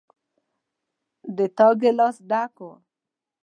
د تا ګلاس ډک ده